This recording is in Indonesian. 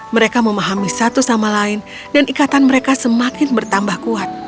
mereka memahami satu sama lain dan ikatan mereka semakin bertambah kuat